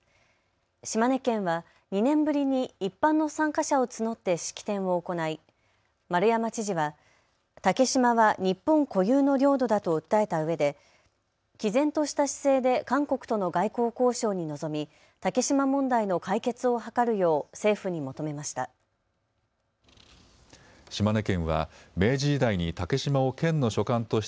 島根県は２年ぶりに一般の参加者を募って式典を行い丸山知事は竹島は日本固有の領土だと訴えたうえできぜんとした姿勢で韓国との外交交渉に臨み、竹島問題の解決を図るよう政府に求めました。